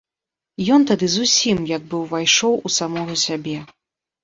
Ён тады зусім як бы ўвайшоў у самога сябе.